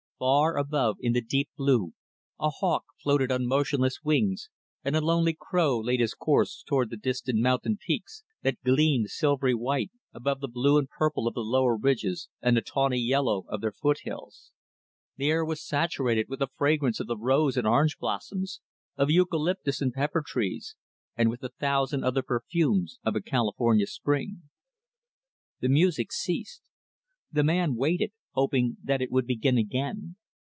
Far above, in the deep blue, a hawk floated on motionless wings and a lonely crow laid his course toward the distant mountain peaks that gleamed, silvery white, above the blue and purple of the lower ridges and the tawny yellow of their foothills. The air was saturated with the fragrance of the rose and orange blossoms, of eucalyptus and pepper trees, and with the thousand other perfumes of a California spring. The music ceased. The man waited hoping that it would begin again.